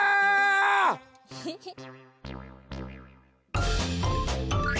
ヘヘッ。